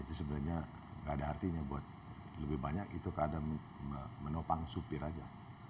itu sebenarnya nggak ada artinya buat lebih banyak itu keadaan menopang supir aja